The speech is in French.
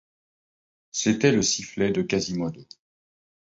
C’était le sifflet de Quasimodo.